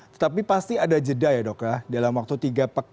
tetapi pasti ada jeda ya dok ya dalam waktu tiga pekan